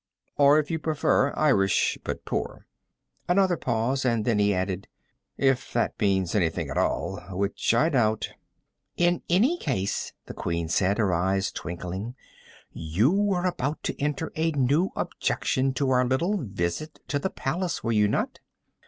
"Or, if you prefer, Irish but poor." Another pause, and then he added: "If that means anything at all. Which I doubt." "In any case," the Queen said, her eyes twinkling, "you were about to enter a new objection to our little visit to the Palace, were you not?"